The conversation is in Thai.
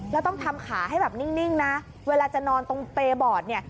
แล้วต้องทำขาให้แบบนิ่งนะเวลาจะนอนตรงเปย์บอร์ดเนี่ย